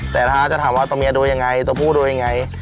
แต่ถ้าจะถามว่าตัวเมียดูยังไงตัวผู้โดยยังไง